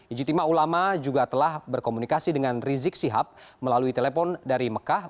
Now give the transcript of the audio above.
ijtima ulama juga telah berkomunikasi dengan rizik sihab melalui telepon dari mekah